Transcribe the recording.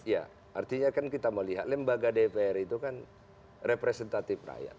ya artinya kan kita melihat lembaga dpr itu kan representatif rakyat